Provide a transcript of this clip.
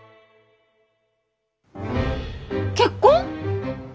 結婚？